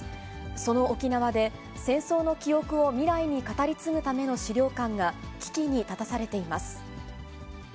その沖縄で、戦争の記憶を未来に語り継ぐための資料館が、危機に立たされています。